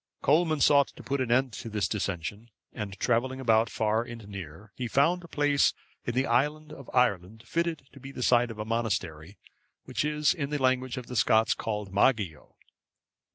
Colman sought to put an end to this dissension, and travelling about far and near, he found a place in the island of Ireland fitted to be the site of a monastery, which, in the language of the Scots, is called Mageo.